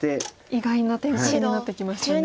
意外な展開になってきましたね。